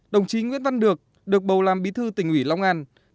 đồng chí nguyễn văn được được bầu làm bí thư tỉnh ủy long an